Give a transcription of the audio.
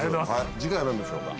次回は何でしょうか？